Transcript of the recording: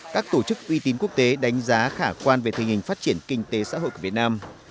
các tổ chức uy tín quốc tế đánh giá khả quan về tình hình phát triển kinh tế xã hội của việt nam